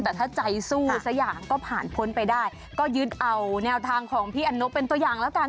แต่ถ้าใจสู้สักอย่างก็ผ่านพ้นไปได้ก็ยึดเอาแนวทางของพี่อันนกเป็นตัวอย่างแล้วกัน